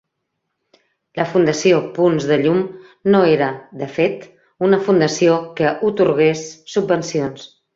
La fundació Punts de Llum no era, de fet, una fundació que atorgués subvencions.